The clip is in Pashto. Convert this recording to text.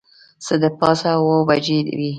څه د پاسه اوه بجې وې.